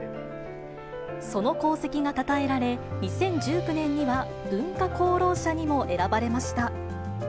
その功績がたたえられ、２０１９年には文化功労者にも選ばれました。